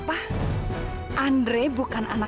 part senin seguro akan